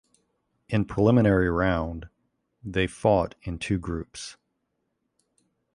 In preliminary round they fought in two groups.